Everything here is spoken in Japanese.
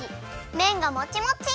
めんがもちもち！